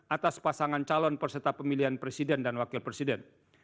atas pasangan calon peserta pemilihan presiden dan wakil presiden